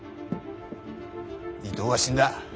伊藤は死んだ。